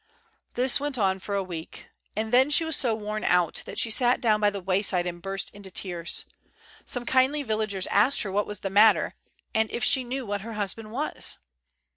This went on for a week, and then she was so worn out that she sat down by the wayside and burst into tears. Some kindly villagers asked her what was the matter, and if she knew what her husband was?